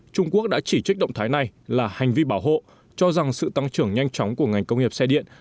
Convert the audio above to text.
trung quốc đã chỉ trích động thái này là hành vi bảo hộ cho rằng sự tăng trưởng nhanh chóng của ngành công nghiệp xe điện